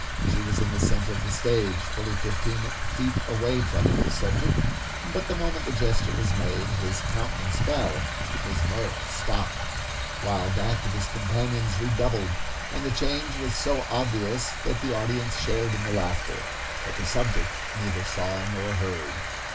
She was in the center of the stage, fully fifteen feet away from the subject, but the moment the gesture was made, his countenance fell, his mirth stopped, while that of his companions redoubled, and the change was so obvious that the audience shared in the laughter—but the subject neither saw nor heard.